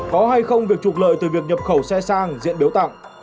có hay không việc trục lợi từ việc nhập khẩu xe sang diện biểu tạng